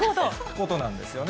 ことなんですよね。